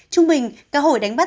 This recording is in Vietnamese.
trung bình cá hồi đánh bắt